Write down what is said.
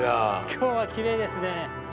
今日はきれいですね。